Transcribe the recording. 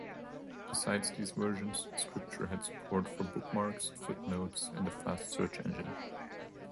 Besides these versions, Scripture had support for bookmarks, footnotes, and a fast search engine.